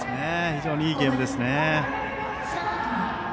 非常にいいゲームですね。